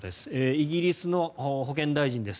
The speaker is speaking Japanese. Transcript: イギリスの保健大臣です。